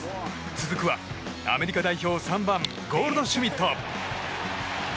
続くは、アメリカ代表３番、ゴールドシュミット。